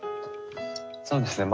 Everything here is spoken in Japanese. そうですね